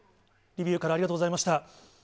リビウからありがとうございました。